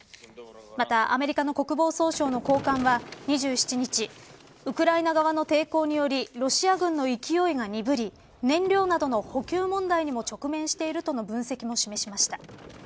また、アメリカの国防総省の高官は、２７日ウクライナ側の抵抗によりロシア軍の勢いが鈍り燃料などの補給問題にも直面しているとの分析も示しました。